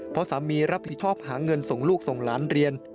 เพราะสามีรับผิดชอบหาเงินส่งลูกส่งหลานเรียน